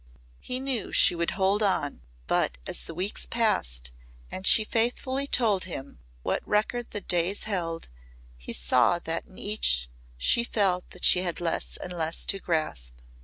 He knew she would hold on but as the weeks passed and she faithfully told him what record the days held he saw that in each she felt that she had less and less to grasp.